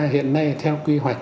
hiện nay theo quy hoạch